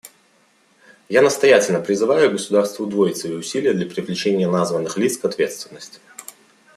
Я настоятельно призываю государства удвоить свои усилия для привлечения названных лиц к ответственности.